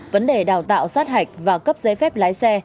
vấn đề đào tạo sát hạch và cấp giấy phép lái xe